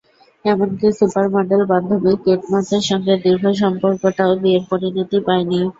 এমনকি সুপারমডেল বান্ধবী কেট মসের সঙ্গে দীর্ঘ সম্পর্কটাও বিয়ের পরিণতি পায়নি।